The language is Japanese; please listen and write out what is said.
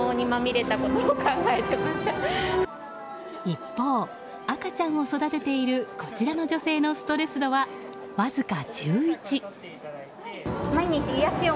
一方、赤ちゃんを育てているこちらの女性のストレス度はわずか１１。